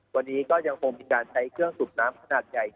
วันนี้ก็ยังคงมีการใช้เครื่องสูบน้ำขนาดใหญ่